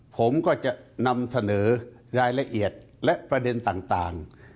ผมก็จะนำเสนอรายละเอียดและประเด็นต่าง